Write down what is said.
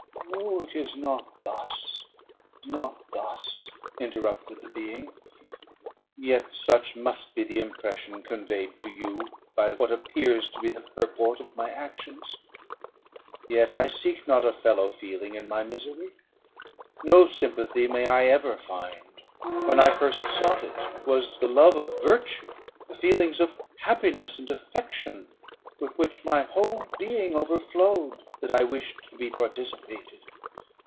"Oh, it is not thus not thus," interrupted the being; "yet such must be the impression conveyed to you by what appears to be the purport of my actions. Yet I seek not a fellow feeling in my misery. No sympathy may I ever find. When I first sought it, it was the love of virtue, the feelings of happiness and affection with which my whole being overflowed, that I wished to be participated.